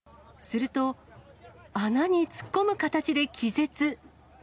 すると、穴に突っ込む形で気絶。